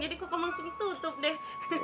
jadi kokom langsung tutup deh